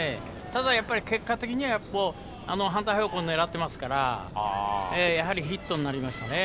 ただ、やっぱり結果的には反対方向を狙ってますからやはりヒットになりましたね。